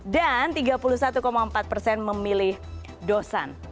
dan tiga puluh satu empat persen memilih dosan